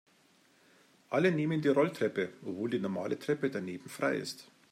Alle nehmen die Rolltreppe, obwohl die normale Treppe daneben frei ist.